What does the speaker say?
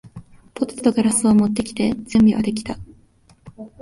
ポテチとグラスを持ってきて、準備はできた。